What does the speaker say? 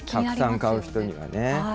たくさん買う人にはね。